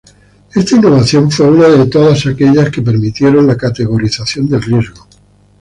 Esta innovación fue una de todas aquellas que permitieron la categorización del riesgo.